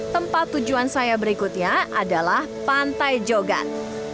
tempat tujuan saya berikutnya adalah pantai jogan